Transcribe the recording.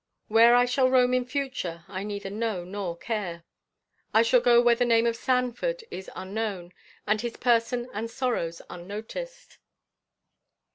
Where I shall roam in future, I neither know nor care. I shall go where the name of Sanford is unknown, and his person and sorrows unnoticed.